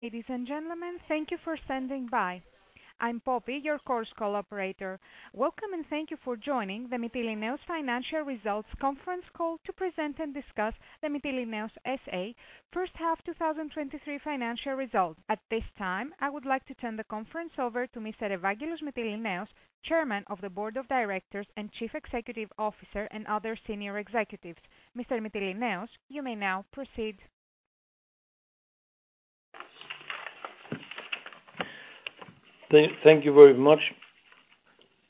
Ladies and gentlemen, thank you for standing by. I'm Poppy, your conference call operator. Welcome, thank you for joining the Mytilineos Financial Results Conference Call to present and discuss the Mytilineos S.A. first half, 2023 financial results. At this time, I would like to turn the conference over to Mr. Evangelos Mytilineos, Chairman of the Board of Directors and Chief Executive Officer, and other senior executives. Mr. Mytilineos, you may now proceed. Thank you very much.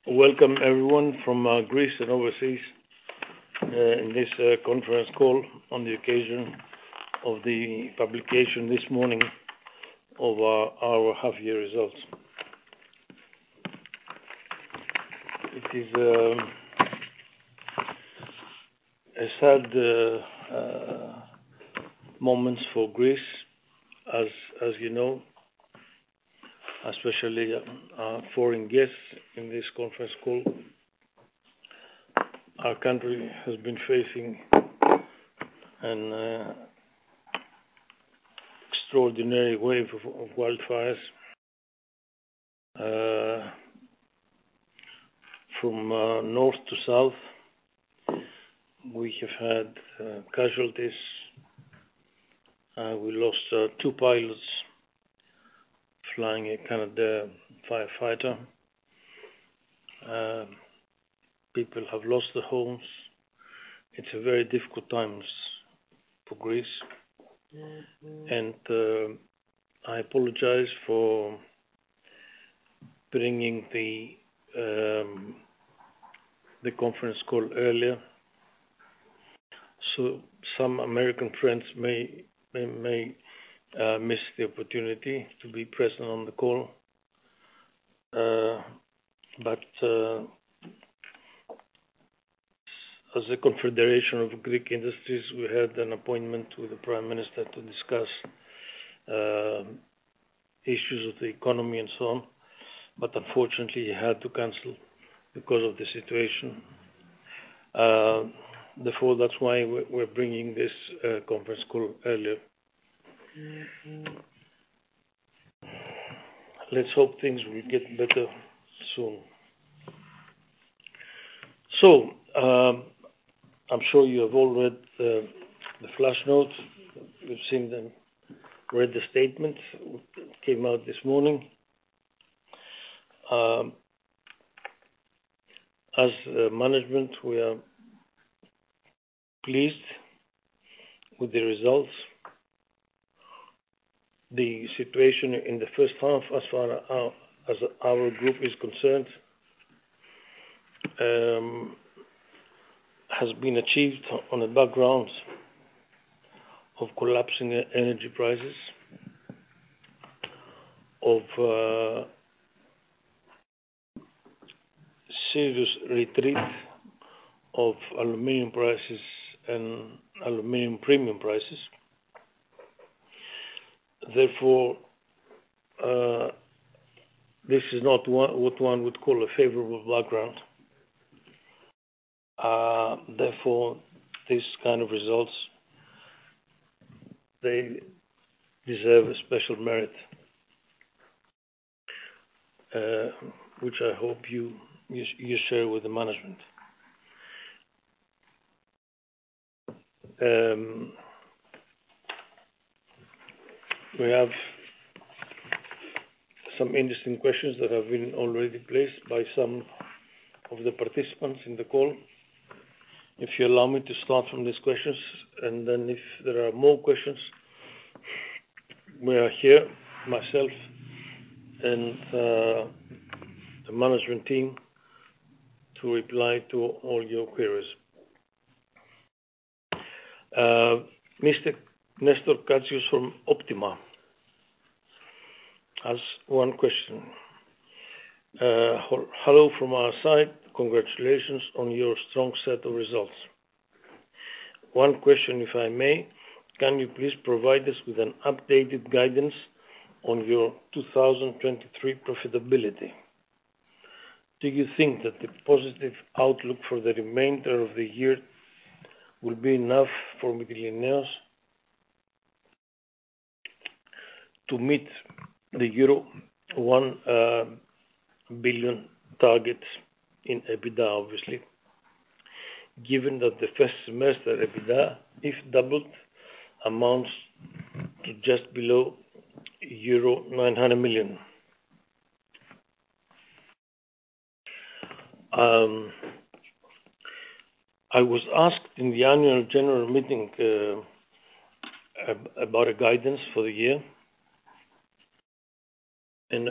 Welcome everyone from Greece and overseas in this conference call on the occasion of the publication this morning of our half year results. It is a sad moments for Greece, as you know, especially foreign guests in this conference call. Our country has been facing an extraordinary wave of wildfires from north to south. We have had casualties. We lost two pilots flying a Canadair firefighter. People have lost their homes. It's a very difficult times for Greece, and I apologize for bringing the conference call earlier, so some American friends may miss the opportunity to be present on the call. As a Confederation of Greek Industries, we had an appointment with the Prime Minister to discuss issues of the economy and so on, but unfortunately, he had to cancel because of the situation. That's why we're bringing this conference call earlier. Let's hope things will get better soon. I'm sure you have all read the flash notes. You've seen them, read the statement that came out this morning. As the management, we are pleased with the results. The situation in the first half, as far as our group is concerned, has been achieved on the backgrounds of collapsing energy prices, of serious retreat of aluminum prices and aluminum premium prices. This is not what one would call a favorable background. Therefore, these kind of results, they deserve a special merit, which I hope you share with the management. We have some interesting questions that have been already placed by some of the participants in the call. If you allow me to start from these questions, and then if there are more questions, we are here, myself and the management team, to reply to all your queries. Mr. Nestor Katsios from Optima has one question. Hello from our side. Congratulations on your strong set of results. One question if I may: Can you please provide us with an updated guidance on your 2023 profitability? Do you think that the positive outlook for the remainder of the year will be enough for Mytilineos to meet the euro 1 billion targets in EBITDA, obviously, given that the first semester EBITDA, if doubled, amounts to just below EUR 900 million? I was asked in the annual general meeting about a guidance for the year, and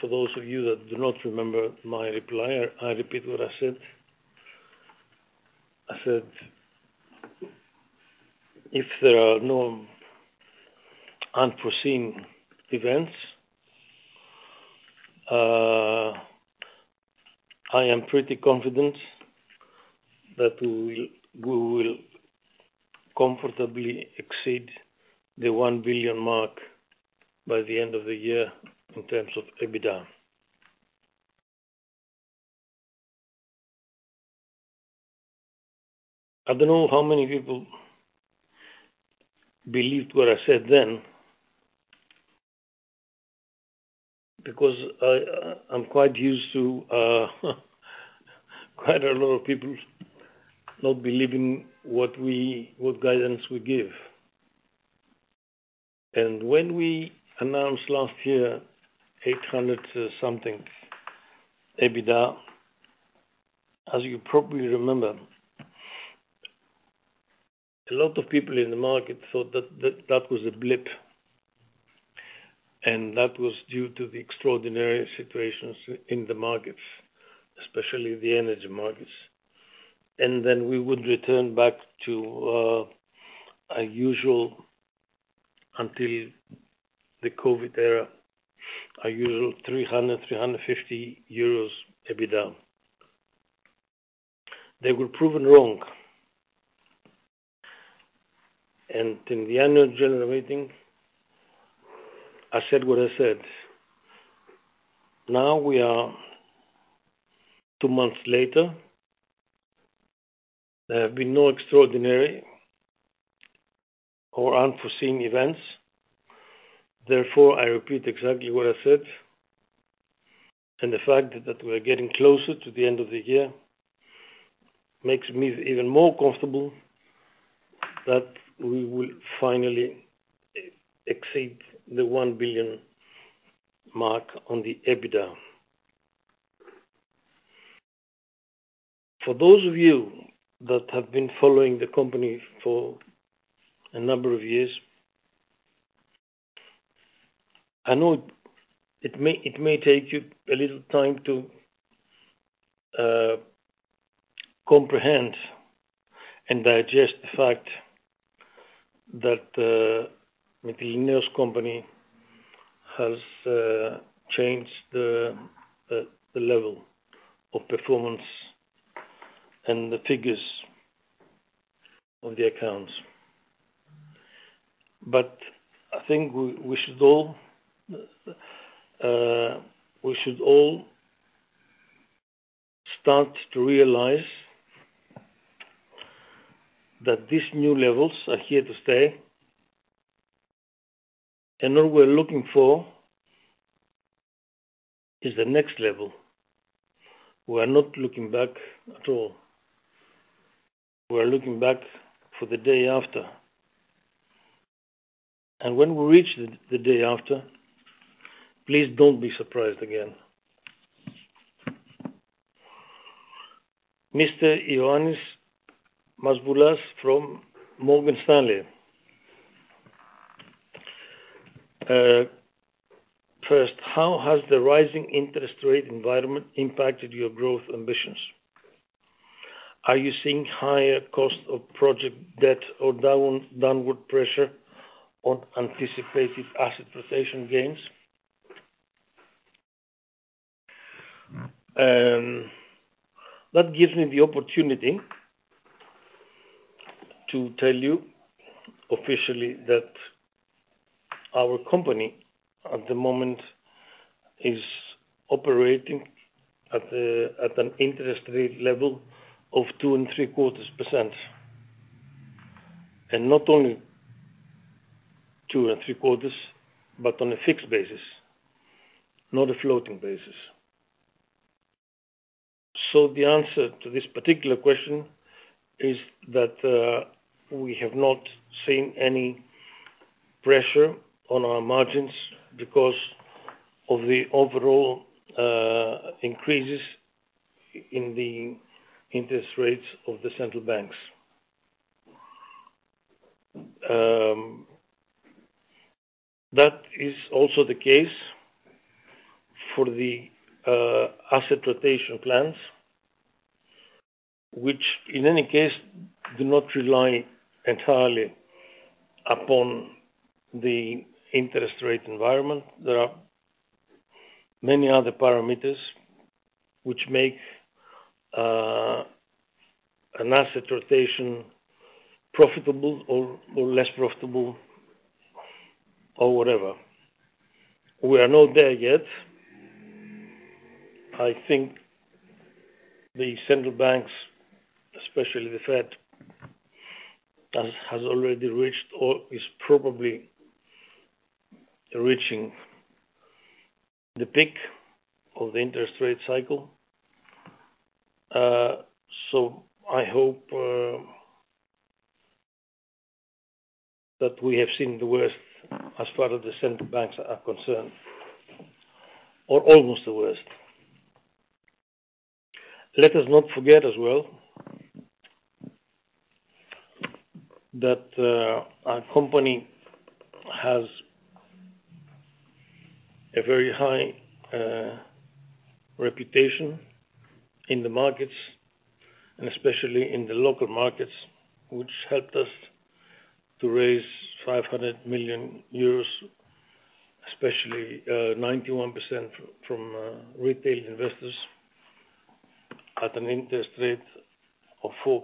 for those of you that do not remember my reply, I repeat what I said. I said, "If there are no unforeseen events, I am pretty confident that we will comfortably exceed the one billion mark by the end of the year in terms of EBITDA." I don't know how many people believed what I said then, because I'm quite used to quite a lot of people not believing what guidance we give. When we announced last year, 800 something EBITDA, as you probably remember, a lot of people in the market thought that was a blip, and that was due to the extraordinary situations in the markets, especially the energy markets. We would return back to a usual until the COVID era, a usual 300, 350 euros EBITDA. They were proven wrong. In the annual general meeting, I said what I said. Now we are 2 months later, there have been no extraordinary or unforeseen events. Therefore, I repeat exactly what I said, and the fact that we're getting closer to the end of the year makes me even more comfortable that we will finally exceed the 1 billion mark on the EBITDA. For those of you that have been following the company for a number of years, I know it may take you a little time to comprehend and digest the fact that Mytilineos company has changed the level of performance and the figures on the accounts. I think we should all start to realize that these new levels are here to stay. All we're looking for is the next level. We're not looking back at all. We're looking back for the day after. When we reach the day after, please don't be surprised again. Mr. Ioannis Masvoulas from Morgan Stanley. First, how has the rising interest rate environment impacted your growth ambitions? Are you seeing higher costs of project debt or downward pressure on anticipated asset rotation gains? That gives me the opportunity to tell you officially that our company, at the moment, is operating at an interest rate level of 2.75%, and not only 2.75, but on a fixed basis, not a floating basis. The answer to this particular question is that we have not seen any pressure on our margins because of the overall increases in the interest rates of the central banks. That is also the case for the asset rotation plans, which in any case, do not rely entirely upon the interest rate environment. There are many other parameters which make an asset rotation profitable or less profitable or whatever. We are not there yet. I think the central banks, especially the Fed, has already reached or is probably reaching the peak of the interest rate cycle. I hope that we have seen the worst as far as the central banks are concerned, or almost the worst. Let us not forget as well, that our company has a very high reputation in the markets, and especially in the local markets, which helped us to raise 500 million euros, especially 91% from retail investors at an interest rate of 4%.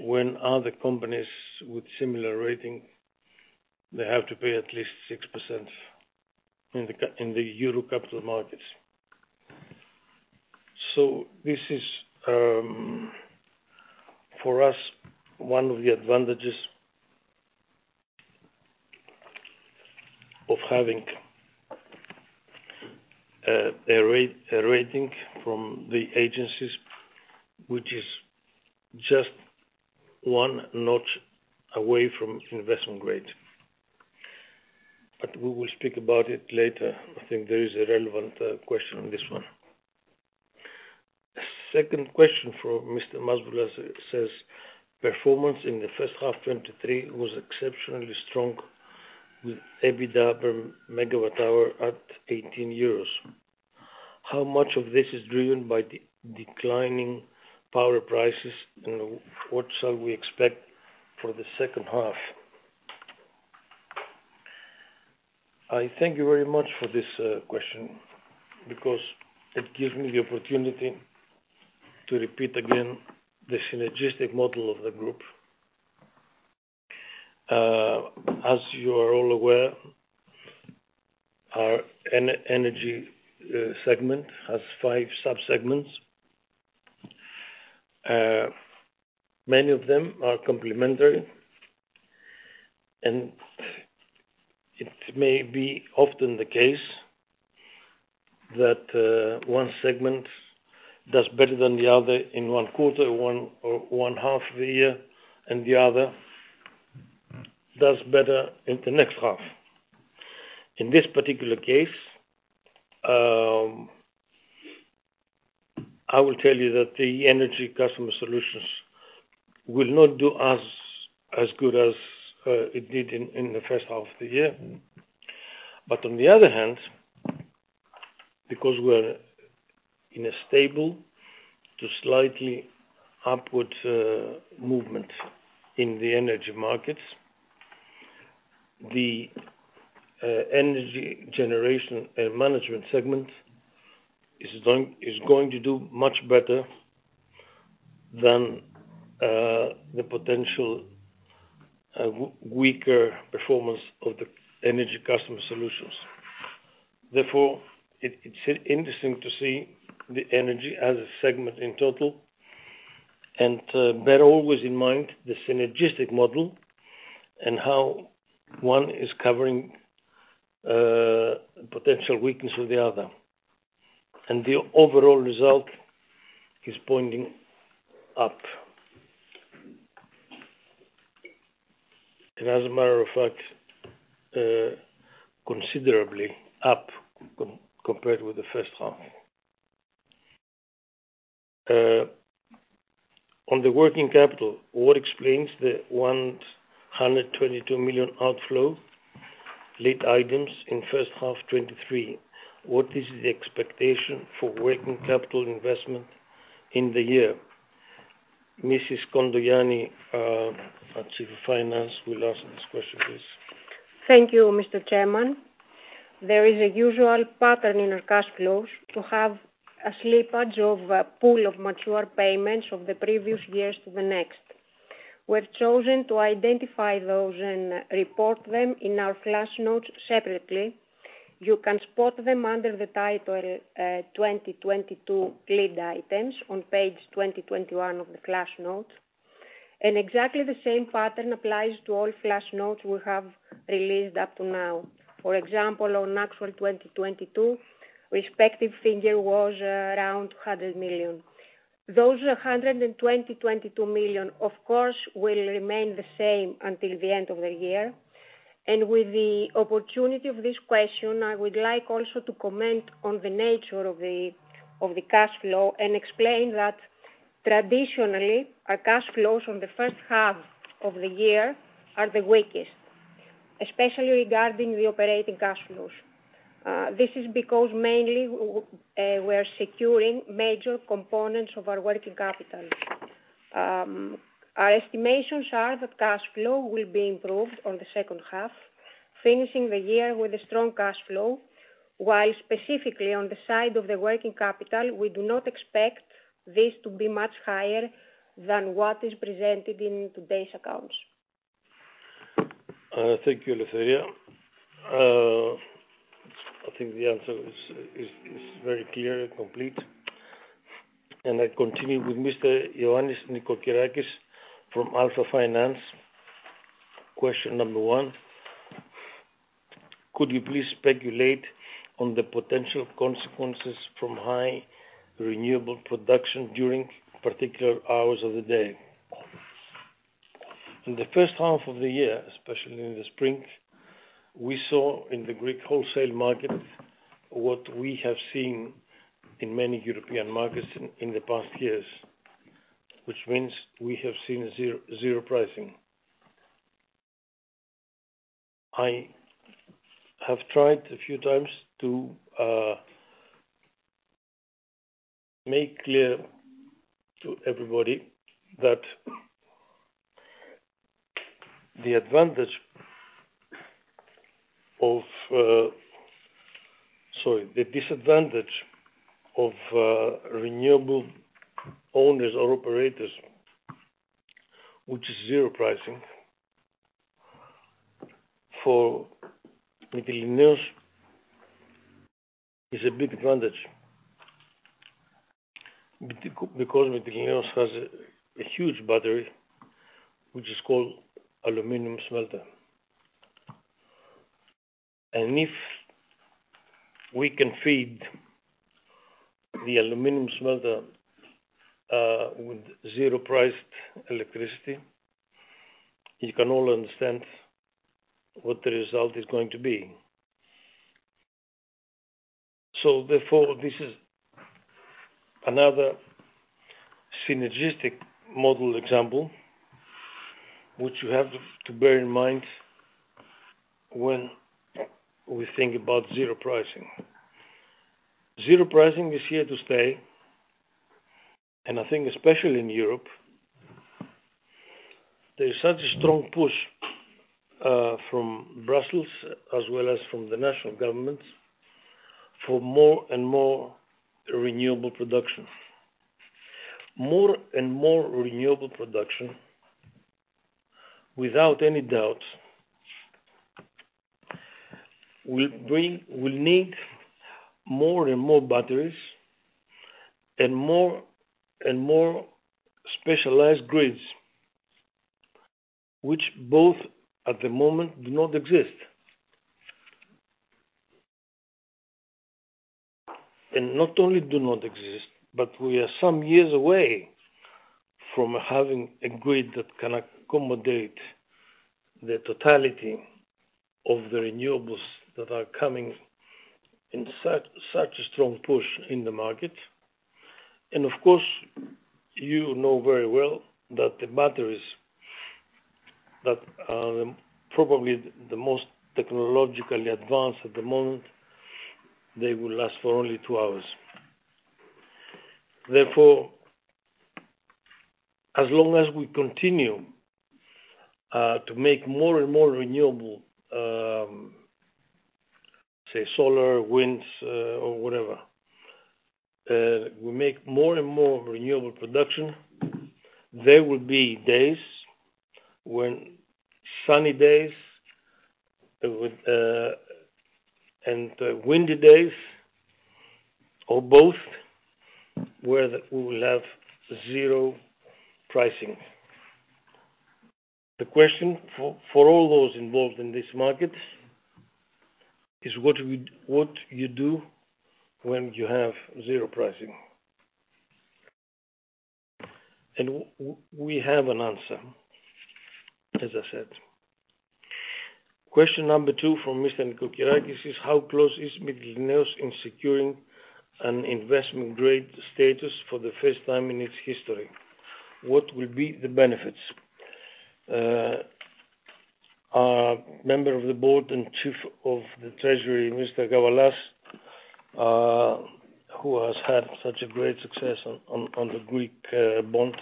When other companies with similar rating, they have to pay at least 6% in the Euro capital markets. This is for us, one of the advantages of having a rating from the agencies, which is just one notch away from investment grade. We will speak about it later. I think there is a relevant question on this one. Second question from Mr. Masvoulas says, "Performance in the first half 2023 was exceptionally strong, with EBITDA per megawatt hour at 18 euros. How much of this is driven by declining power prices, and what shall we expect for the second half?" I thank you very much for this question, because it gives me the opportunity to repeat again the synergistic model of the group. As you are all aware, our energy segment has five sub-segments. Many of them are complementary, and it may be often the case that one segment does better than the other in one quarter, one, or one half of the year, and the other does better in the next half. In this particular case, I will tell you that the M Energy Customer Solutions will not do as good as it did in the first half of the year. On the other hand, because we're in a stable to slightly upward movement in the energy markets, the M Energy Generation & Management segment is going to do much better than the potential weaker performance of the M Energy Customer Solutions. Therefore, it's interesting to see the energy as a segment in total, and bear always in mind the synergistic model and how one is covering potential weakness of the other. The overall result is pointing up. As a matter of fact, considerably up compared with the first half. On the working capital, what explains the 122 million outflow late items in first half 2023? What is the expectation for working capital investment in the year? Mrs. Kontogianni, our Chief of Finance, will answer this question, please. Thank you, Mr. Chairman. There is a usual pattern in our cash flows to have a slippage of a pool of mature payments of the previous years to the next. We've chosen to identify those and report them in our Flash Notes separately. You can spot them under the title, 2022 Late Items on page 2,021 of the Flash Notes. Exactly the same pattern applies to all Flash Notes we have released up to now. For example, on actual 2022, respective figure was around 100 million. Those 122 million, of course, will remain the same until the end of the year. With the opportunity of this question, I would like also to comment on the nature of the cash flow and explain that traditionally, our cash flows on the first half of the year are the weakest, especially regarding the operating cash flows. This is because mainly we're securing major components of our working capital. Our estimations are that cash flow will be improved on the second half, finishing the year with a strong cash flow, while specifically on the side of the working capital, we do not expect this to be much higher than what is presented in today's accounts. Thank you, Eleftheria. I think the answer is very clear and complete. I continue with Mr. Ioannis Nikolakakis from Alpha Finance. Question number one: Could you please speculate on the potential consequences from high renewable production during particular hours of the day? In the first half of the year, especially in the spring, we saw in the Greek wholesale market, what we have seen in many European markets in the past years, which means we have seen zero pricing. I have tried a few times to make clear to everybody that the disadvantage of renewable owners or operators, which is zero pricing, for Mytilineos is a big advantage. Because Mytilineos has a huge battery, which is called aluminum smelter. If we can feed the aluminum smelter with zero priced electricity, you can all understand what the result is going to be. This is another synergistic model example, which you have to bear in mind when we think about zero pricing. Zero pricing is here to stay. I think especially in Europe, there is such a strong push from Brussels as well as from the national governments, for more and more renewable production. More and more renewable production, without any doubt, will need more and more batteries and more and more specialized grids, which both at the moment do not exist. Not only do not exist, we are some years away from having a grid that can accommodate the totality of the renewables that are coming in such a strong push in the market. Of course, you know very well that the batteries that are probably the most technologically advanced at the moment, they will last for only two hours. Therefore, as long as we continue to make more and more renewable, say, solar, winds, or whatever, we make more and more renewable production, there will be days when sunny days with and windy days, or both, where we will have zero pricing. The question for all those involved in this market is what you do when you have zero pricing? We have an answer, as I said. Question number two from Mr. Nikolakakis is: How close is Mytilineos in securing an investment grade status for the first time in its history? What will be the benefits? Our member of the board and chief of the treasury, Mr. Gavalas, who has had such a great success on the Greek bond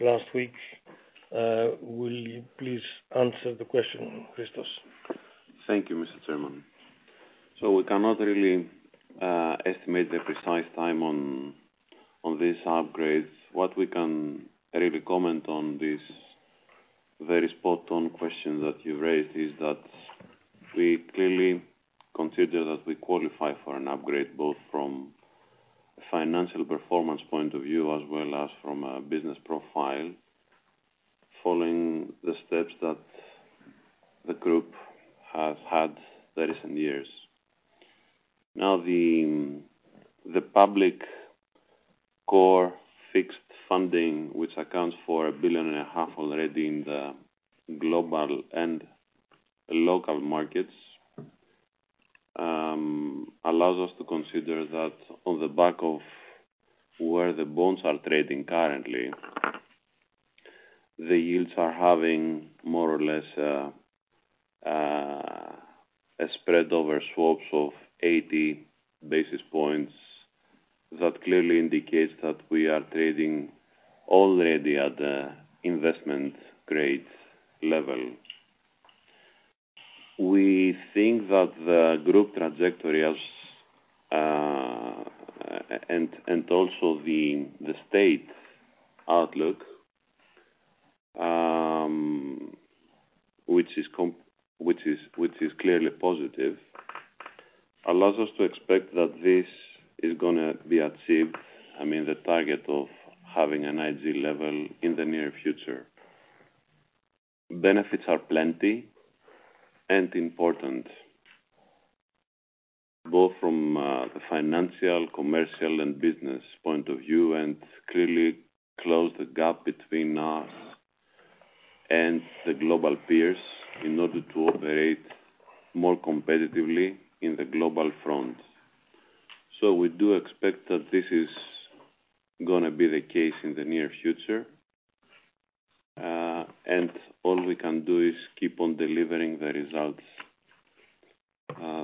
last week, will you please answer the question, Christos? Thank you, Mr. Chairman. We cannot really estimate the precise time on these upgrades. What we can really comment on this very spot on question that you raised is that we clearly consider that we qualify for an upgrade, both from a financial performance point of view, as well as from a business profile, following the steps that the group has had the recent years. The public core fixed funding, which accounts for a billion and a half EUR already in the global and local markets, allows us to consider that on the back of where the bonds are trading currently, the yields are having more or less a spread over swaps of 80 basis points. That clearly indicates that we are trading already at the investment grade level. We think that the group trajectory as and also the state outlook, which is which is, which is clearly positive, allows us to expect that this is gonna be achieved, I mean, the target of having an IG level in the near future. Benefits are plenty and important, both from the financial, commercial, and business point of view, and clearly close the gap between us and the global peers in order to operate more competitively in the global front. We do expect that this is gonna be the case in the near future, and all we can do is keep on delivering the results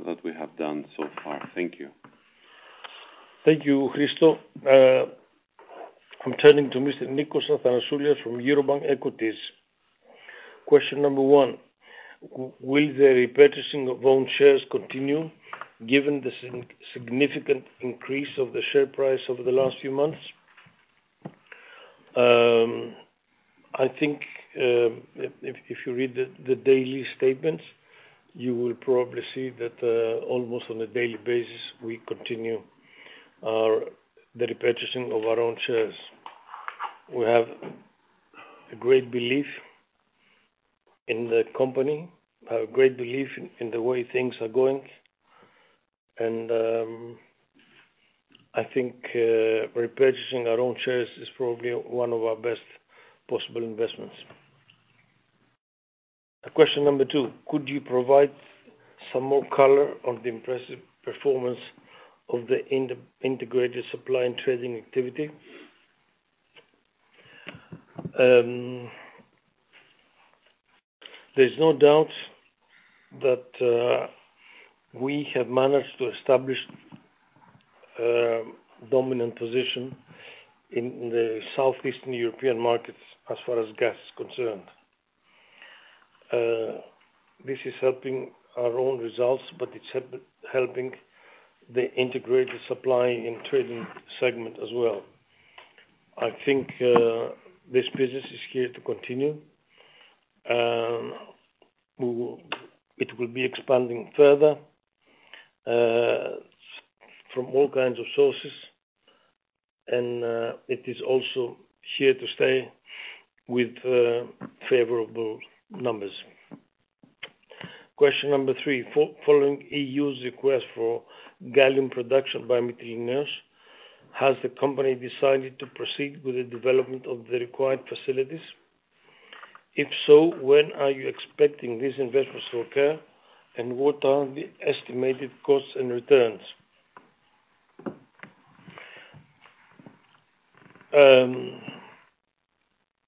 that we have done so far. Thank you. Thank you, Christos. I'm turning to Mr. Nicholas Athanasiou from Eurobank Equities. Question number one, will the repurchasing of own shares continue given the significant increase of the share price over the last few months? I think if you read the daily statements, you will probably see that almost on a daily basis, we continue the repurchasing of our own shares. We have a great belief in the company, have great belief in the way things are going, and I think repurchasing our own shares is probably one of our best possible investments. Question number two: Could you provide some more color on the impressive performance of the Integrated Supply and Trading activity? There's no doubt that we have managed to establish a dominant position in the Southeastern European markets as far as gas is concerned. This is helping our own results, but it's helping the M Integrated Supply & Trading segment as well. I think this business is here to continue. It will be expanding further from all kinds of sources, and it is also here to stay with favorable numbers. Question number three: Following EU's request for gallium production by Mytilineos, has the company decided to proceed with the development of the required facilities? If so, when are you expecting these investments to occur, and what are the estimated costs and returns?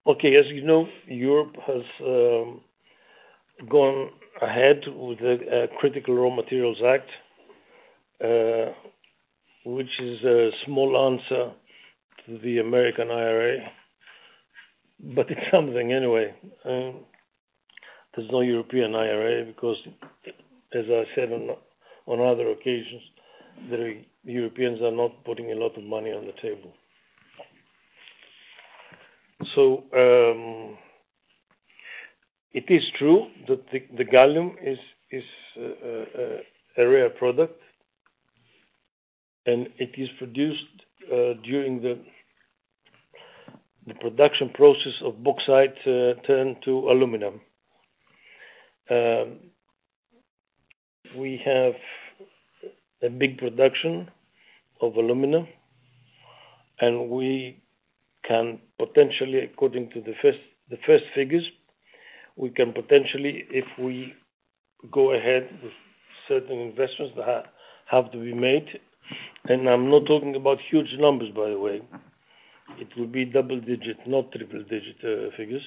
Okay, as you know, Europe has gone ahead with the Critical Raw Materials Act, which is a small answer to the American IRA, but it's something anyway. There's no European IRA because as I said on other occasions, the Europeans are not putting a lot of money on the table. It is true that the gallium is a rare product, and it is produced during the production process of bauxite turned to aluminum. We have a big production of aluminum, and we can potentially, according to the first figures, we can potentially, if we go ahead with certain investments that have to be made, and I'm not talking about huge numbers, by the way, it will be double digit, not triple digit figures.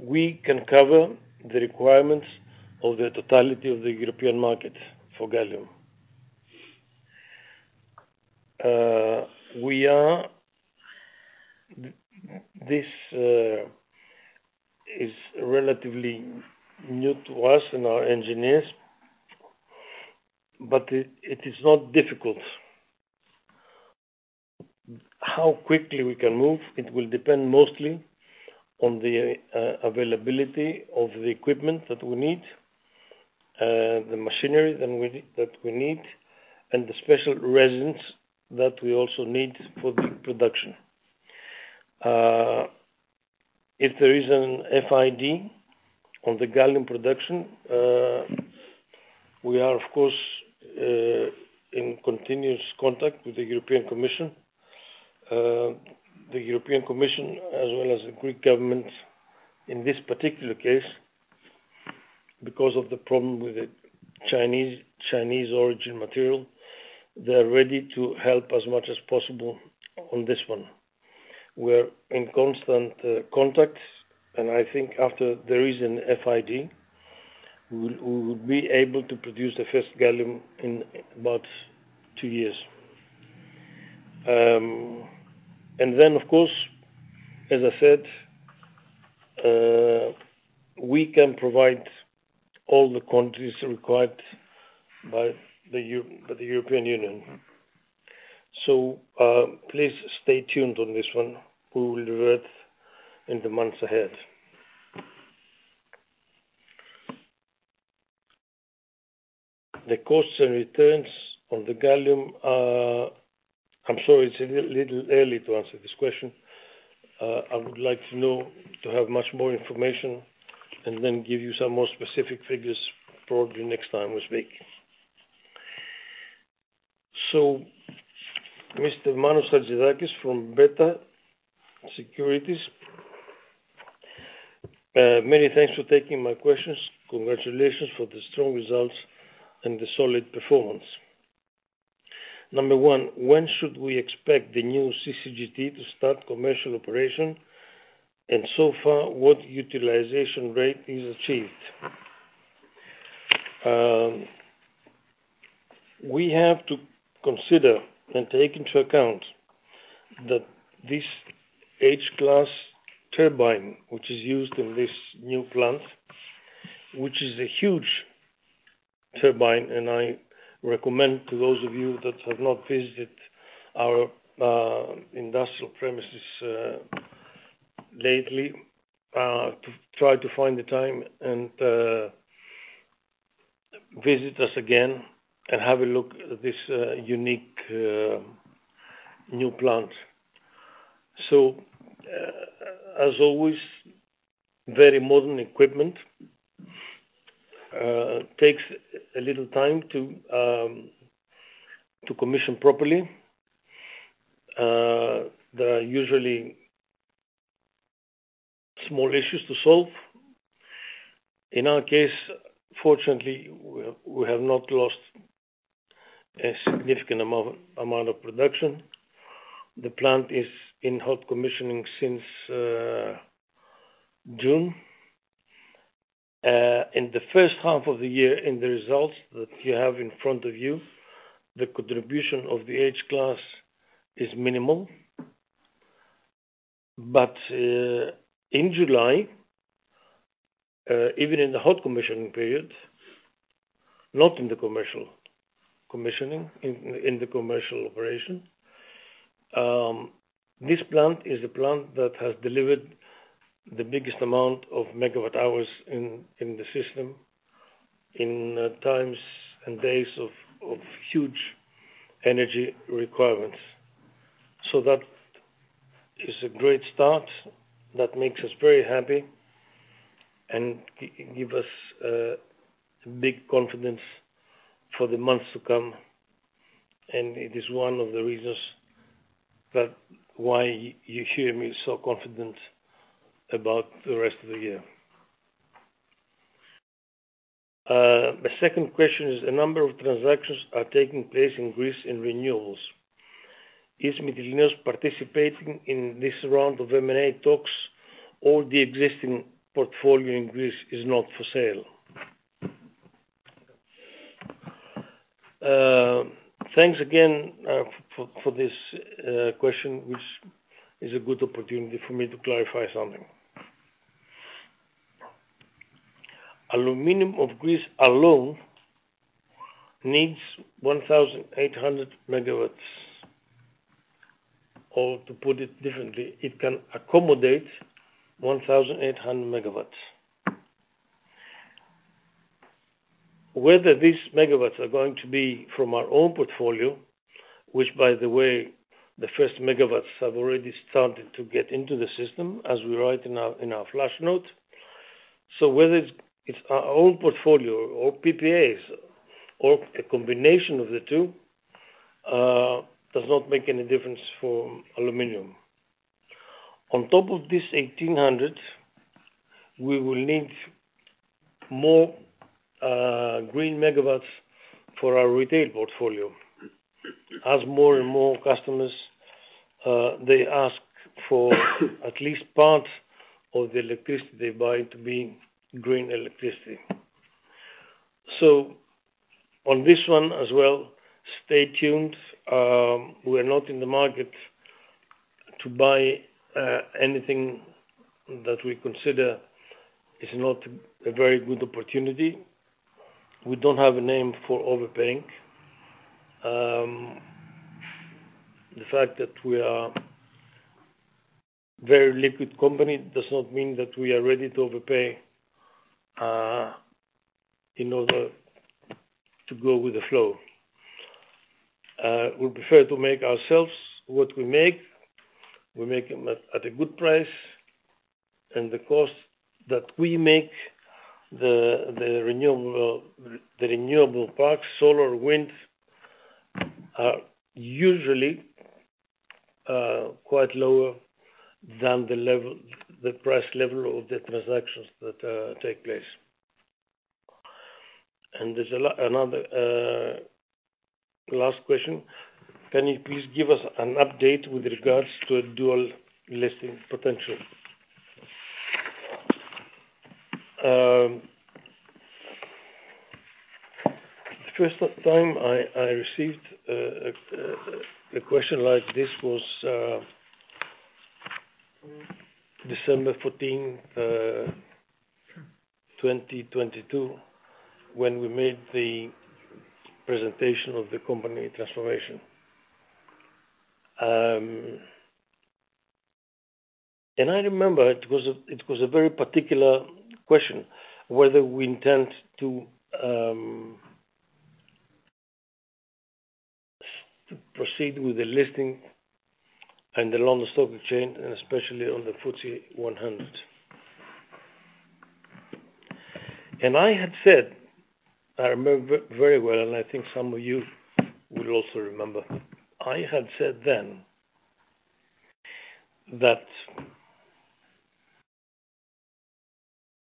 We can cover the requirements of the totality of the European market for gallium. We are this is relatively new to us and our engineers, but it is not difficult. How quickly we can move, it will depend mostly on the availability of the equipment that we need, the machinery that we need, and the special resins that we also need for the production. If there is an FID on the gallium production, we are of course in continuous contact with the European Commission. The European Commission, as well as the Greek government in this particular case, because of the problem with the Chinese origin material, they're ready to help as much as possible on this one. We're in constant contact. I think after there is an FID, we will be able to produce the first gallium in about two years. Of course, as I said, we can provide all the quantities required by the European Union. Please stay tuned on this one. We will do it in the months ahead. The costs and returns on the gallium are. I'm sorry, it's a little early to answer this question. I would like to know, to have much more information and then give you some more specific figures probably next time we speak. Mr. Manos Argirakis from Beta Securities, many thanks for taking my questions. Congratulations for the strong results and the solid performance. Number one, when should we expect the new CCGT to start commercial operation? So far, what utilization rate is achieved? We have to consider and take into account that this H-class turbine, which is used in this new plant, which is a huge turbine, and I recommend to those of you that have not visited our industrial premises lately to try to find the time and visit us again and have a look at this unique new plant. As always, very modern equipment takes a little time to commission properly. There are usually small issues to solve. In our case, fortunately, we have not lost a significant amount of production. The plant is in hot commissioning since June. In the first half of the year, in the results that you have in front of you, the contribution of the H-class is minimal. In July, even in the hot commissioning period, not in the commercial commissioning, in the commercial operation, this plant is a plant that has delivered the biggest amount of megawatt hours in the system, in times and days of huge energy requirements. That is a great start. That makes us very happy and give us big confidence for the months to come, and it is one of the reasons that why you hear me so confident about the rest of the year. The second question is, a number of transactions are taking place in Greece in renewables. Is Mytilineos participating in this round of M&A talks, or the existing portfolio in Greece is not for sale? Thanks again, for this question, which is a good opportunity for me to clarify something. Aluminium of Greece alone needs 1,800 megawatts, or to put it differently, it can accommodate 1,800 megawatts. Whether these megawatts are going to be from our own portfolio, which, by the way, the first megawatts have already started to get into the system as we write in our, in our flash note. Whether it's our own portfolio or PPAs, or a combination of the two, does not make any difference for aluminum. On top of this 1,800, we will need more green megawatts for our retail portfolio. As more and more customers, they ask for at least part of the electricity they buy to be green electricity. On this one as well, stay tuned. We are not in the market to buy anything that we consider is not a very good opportunity. We don't have a name for overpaying. The fact that we are very liquid company does not mean that we are ready to overpay in order to go with the flow. We prefer to make ourselves what we make. We make them at a good price, and the cost that we make, the renewable parts, solar, wind, are usually quite lower than the level, the price level of the transactions that take place. There's another last question: Can you please give us an update with regards to a dual listing potential? The first time I received a question like this was December 14, 2022, when we made the presentation of the company transformation. I remember it was a very particular question, whether we intend to proceed with the listing and the London Stock Exchange, and especially on the FTSE 100. I had said, I remember very well, and I think some of you will also remember, I had said then, that: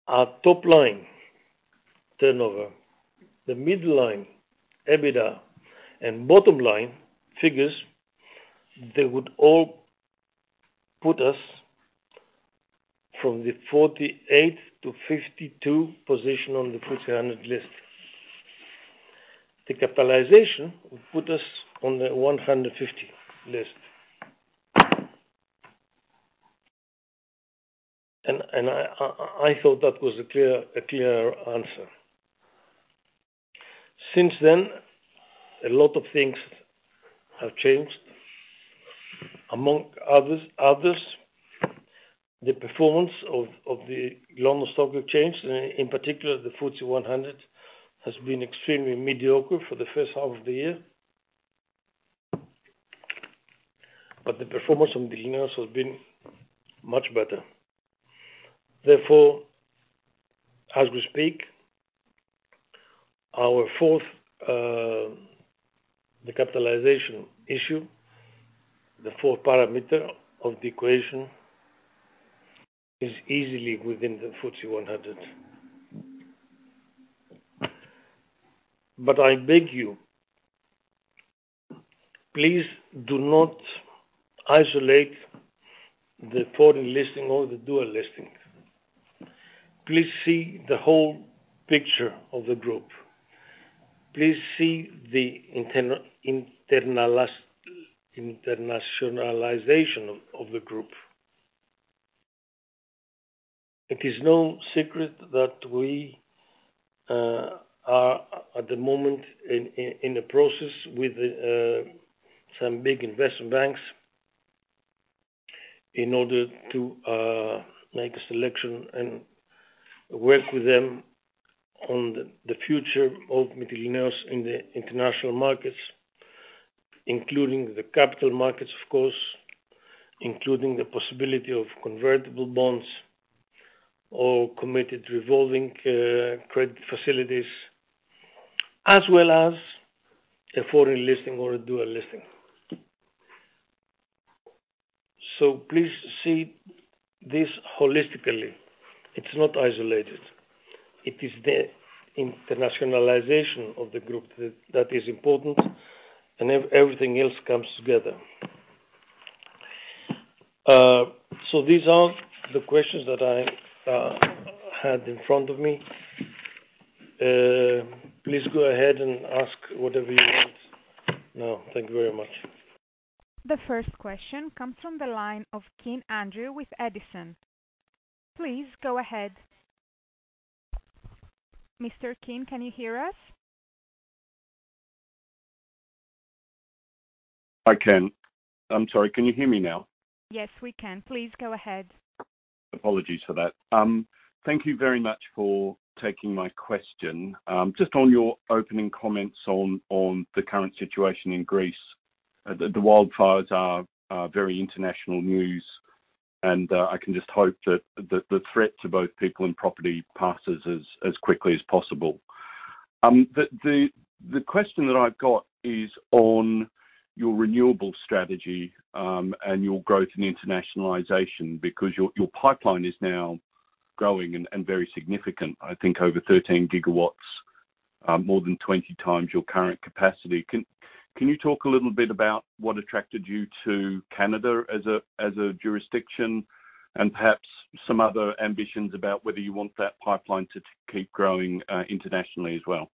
Our top line turnover, the mid line, EBITDA, and bottom line figures, they would all put us from the 48-52 position on the FTSE 100 list. The capitalization would put us on the 150 list. I thought that was a clear answer. Since then, a lot of things have changed. Among others, the performance of the London Stock Exchange, in particular, the FTSE 100, has been extremely mediocre for the first half of the year. The performance on Mytilineos has been much better. Therefore, as we speak, our fourth, the capitalization issue, the fourth parameter of the equation is easily within the FTSE 100. I beg you, please do not isolate the foreign listing or the dual listing. Please see the whole picture of the group. Please see the internationalization of the group. It is no secret that we are at the moment in the process with some big investment banks in order to make a selection and work with them on the future of Mytilineos in the international markets, including the capital markets, of course, including the possibility of convertible bonds or committed revolving credit facilities, as well as a foreign listing or a dual listing. Please see this holistically. It's not isolated. It is the internationalization of the group that is important, and everything else comes together. These are the questions that I had in front of me. Please go ahead and ask whatever you want. Thank you very much. The first question comes from the line of Keen Andrew, with Edison. Please go ahead. Mr. Keen, can you hear us? I can. I'm sorry, can you hear me now? Yes, we can. Please go ahead. Apologies for that. Thank you very much for taking my question. Just on your opening comments on the current situation in Greece. The wildfires are very international news, and I can just hope that the threat to both people and property passes as quickly as possible. The question that I've got is on your renewable strategy and your growth in internationalization, because your pipeline is now growing and very significant, I think over 13 gigawatts, more than 20 times your current capacity. Can you talk a little bit about what attracted you to Canada as a jurisdiction, and perhaps some other ambitions about whether you want that pipeline to keep growing internationally as well?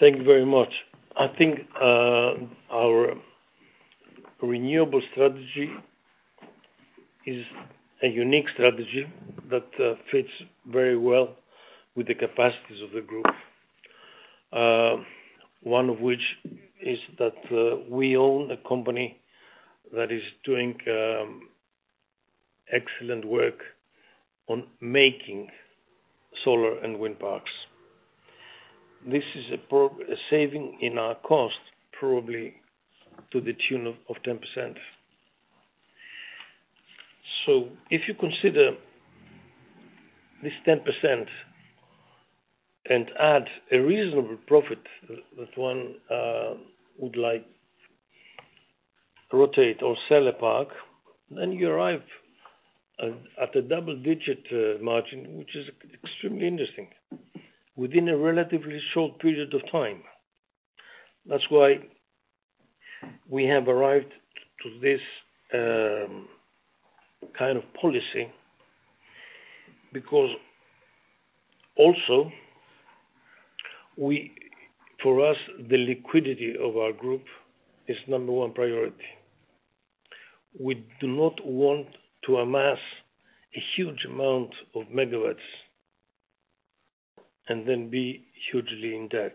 Thank you very much. I think, our renewable strategy is a unique strategy that fits very well with the capacities of the group. One of which is that we own a company that is doing excellent work on making solar and wind parks. This is a saving in our cost, probably to the tune of 10%. If you consider this 10% and add a reasonable profit that one would like rotate or sell a park, then you arrive at a double-digit margin, which is extremely interesting, within a relatively short period of time. That's why we have arrived to this kind of policy, because also for us, the liquidity of our group is number one priority. We do not want to amass a huge amount of megawatts and then be hugely in debt.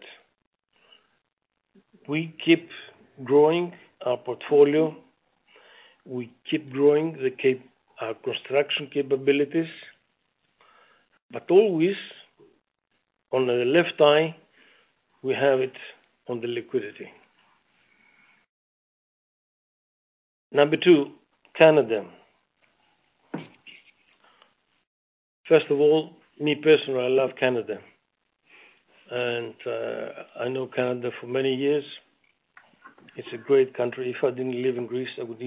We keep growing our portfolio, we keep growing our construction capabilities, but always on the left eye, we have it on the liquidity. Number two, Canada. First of all, me personally, I love Canada, and I know Canada for many years. It's a great country. If I didn't live in Greece, I could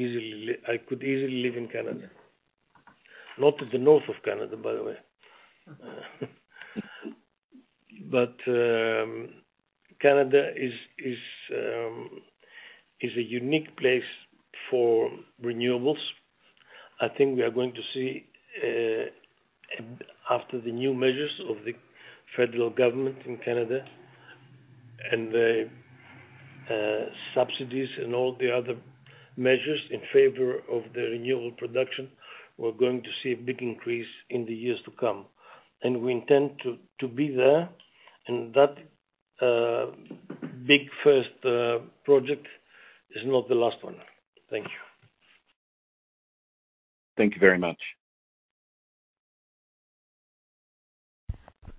easily live in Canada. Not at the north of Canada, by the way. Canada is a unique place for renewables. I think we are going to see after the new measures of the federal government in Canada and the subsidies and all the other measures in favor of the renewable production, we're going to see a big increase in the years to come, and we intend to be there. That big first project is not the last one. Thank you. Thank you very much.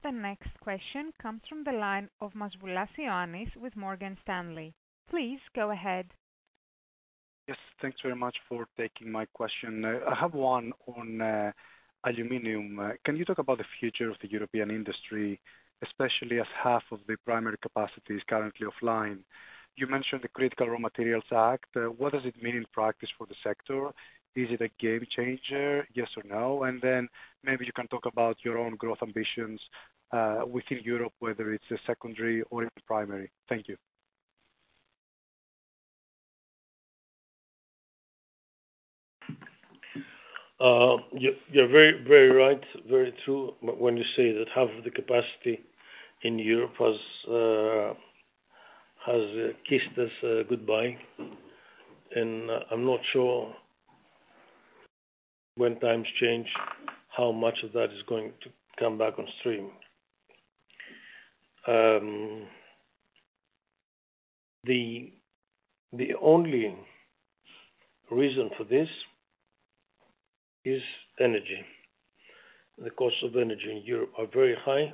The next question comes from the line of Vasilis Masvoulas with Morgan Stanley. Please go ahead. Yes. Thanks very much for taking my question. I have one on, aluminum. Can you talk about the future of the European industry, especially as half of the primary capacity is currently offline? You mentioned the Critical Raw Materials Act. What does it mean in practice for the sector? Is it a game changer? Yes or no. Maybe you can talk about your own growth ambitions, within Europe, whether it's a secondary or in primary. Thank you. You, you're very, very right, very true, when you say that half of the capacity in Europe has kissed us goodbye, and I'm not sure when times change, how much of that is going to come back on stream. The only reason for this is energy. The cost of energy in Europe are very high,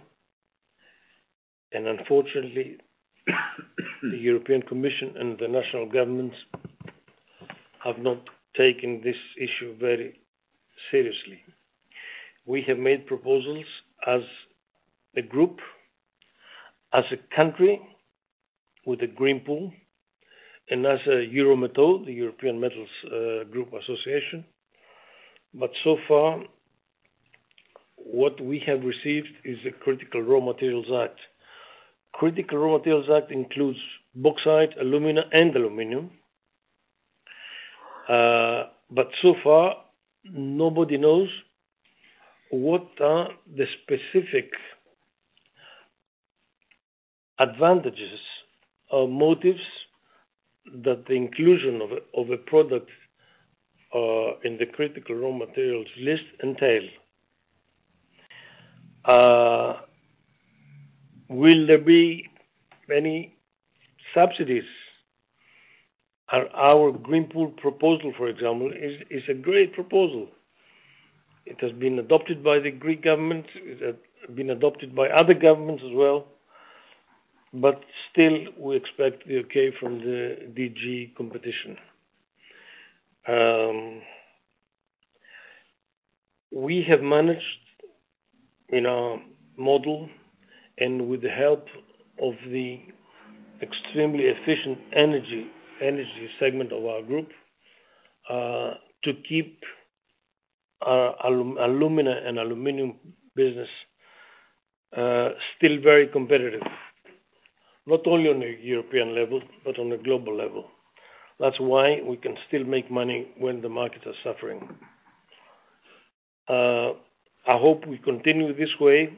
and unfortunately, the European Commission and the national governments have not taken this issue very seriously. We have made proposals as a group, as a country with a green pool and as a Eurometaux, the European Metals Group Association, but so far, what we have received is a Critical Raw Materials Act. Critical Raw Materials Act includes bauxite, alumina, and aluminum. So far, nobody knows what are the specific advantages or motives that the inclusion of a product in the critical raw materials list entails. Will there be many subsidies? Our Green Pool Proposal, for example, is a great proposal. It has been adopted by the Greek government, it has been adopted by other governments as well, but still we expect the okay from the DG Competition. We have managed in our model and with the help of the extremely efficient energy segment of our group to keep our alumina and aluminum business still very competitive, not only on a European level, but on a global level. That's why we can still make money when the markets are suffering. I hope we continue this way.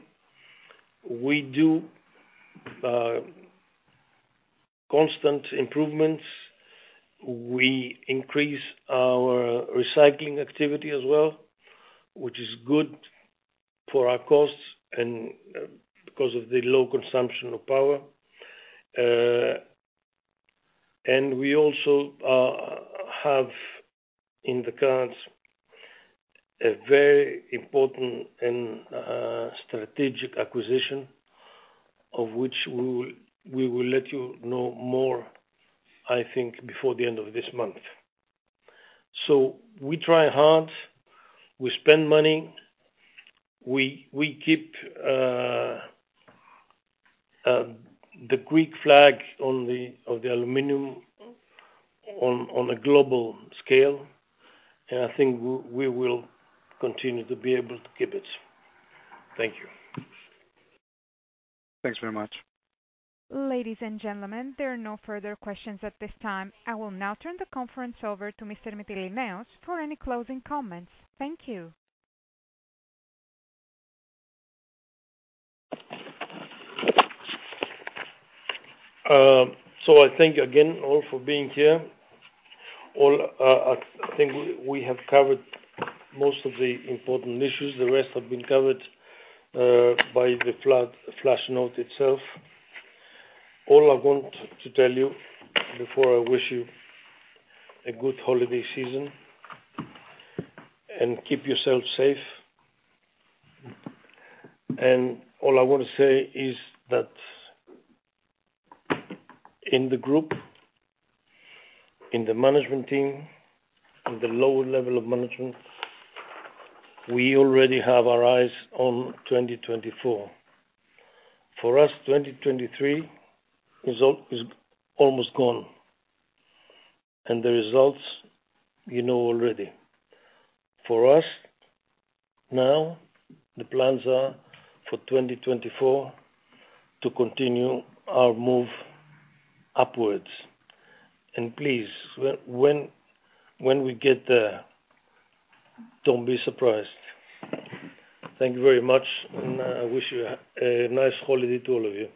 We do constant improvements. We increase our recycling activity as well, which is good for our costs and because of the low consumption of power. And we also have in the cards a very important and strategic acquisition, of which we will let you know more, I think, before the end of this month. We try hard, we spend money, we keep the Greek flag of the aluminum on a global scale, and I think we will continue to be able to keep it. Thank you. Thanks very much. Ladies and gentlemen, there are no further questions at this time. I will now turn the conference over to Mr. Mytilineos for any closing comments. Thank you. I thank you again, all for being here. All, I think we have covered most of the important issues. The rest have been covered by the flat flash note itself. All I want to tell you before I wish you a good holiday season and keep yourself safe. All I want to say is that in the group, in the management team, in the lower level of management, we already have our eyes on 2024. For us, 2023 is almost gone, and the results you know already. For us, now, the plans are for 2024 to continue our move upwards. Please, when we get there, don't be surprised. Thank you very much, and I wish you a nice holiday to all of you.